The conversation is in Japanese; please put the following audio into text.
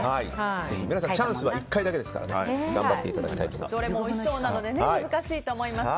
皆さん、チャンスは１回だけですから頑張っていただきたいと思います。